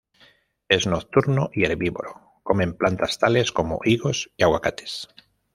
Es nocturno y herbívoro, comen plantas tales como higos y aguacates.